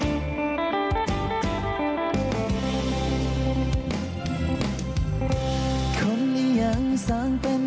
ห้ามใจเมื่อทันแล้ว